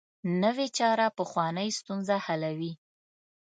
نوې چاره پخوانۍ ستونزه حلوي